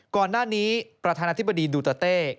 ก่อนหน้านี้ประธานาธิบดีดูเตอร์เต้